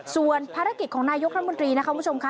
ส่วนภารกิจของนายกรัฐมนตรีนะคะคุณผู้ชมค่ะ